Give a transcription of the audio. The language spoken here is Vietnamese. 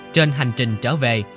trên hành trình trở về